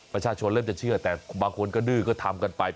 ประชาชนเริ่มจะเชื่อแต่บางคนก็ดื้อก็ทำกันไป